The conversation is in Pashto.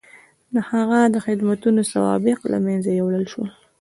د هغه د خدمتونو سوابق له منځه یووړل شول.